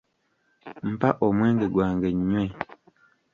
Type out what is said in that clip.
Mpa omwenge gwange nnywe!